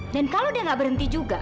dan kalau dia gak berhenti juga